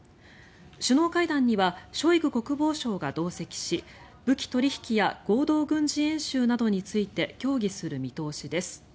首脳会談にはショイグ国防相が同席し武器取引や合同軍事演習などについて協議する見通しです。